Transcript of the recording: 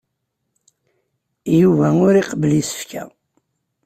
Yuba ur iqebbel isefka.